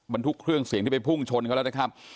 ทุกเครื่องเสียงที่ไปพุ่งชนเขาแล้วนะครับ